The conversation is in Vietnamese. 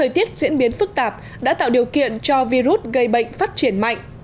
tiếp diễn biến phức tạp đã tạo điều kiện cho virus gây bệnh phát triển mạnh